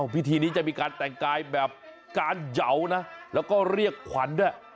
พิธีนี้จะมีการแต่งกายแบบการเหยานะแล้วก็เรียกขวัญด้วย